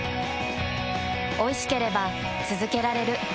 おいしければつづけられる。